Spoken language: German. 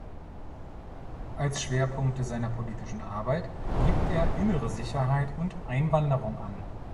Als Schwerpunkte seiner politischen Arbeit gibt er Innere Sicherheit und Einwanderung an.